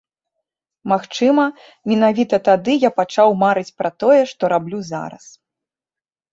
Магчыма, менавіта тады я пачаў марыць пра тое, што раблю зараз.